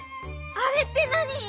「あれ」ってなに⁉はい。